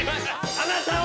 あなたを！！